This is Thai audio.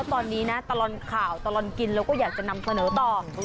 ตอนนี้นะตลอดข่าวตลอดกินเราก็อยากจะนำเสนอต่อ